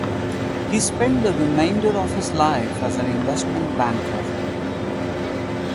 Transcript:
He spent the remainder of his life as an investment banker.